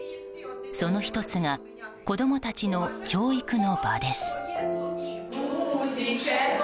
その１つが子供たちの教育の場です。